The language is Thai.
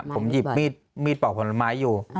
ผมหยิบมีดปอกผลไม้อยู่